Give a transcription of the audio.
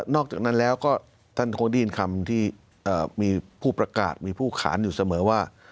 อกจากนั้นแล้วก็ท่านคงได้ยินคำที่มีผู้ประกาศมีผู้ขานอยู่เสมอว่า